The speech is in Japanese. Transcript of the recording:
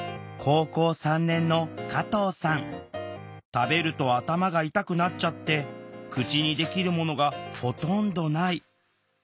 食べると頭が痛くなっちゃって口にできるものがほとんどない。